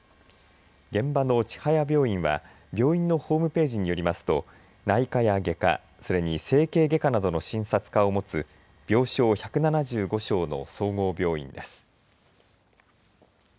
現場の千早病院は病院のホームページによりますと内科や外科、それに整形外科などの診察科を持つ病床１７５床の総合病院です。